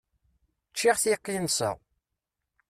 Ččiɣ tiqinsa.